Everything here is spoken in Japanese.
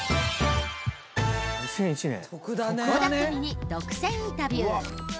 ［倖田來未に独占インタビュー］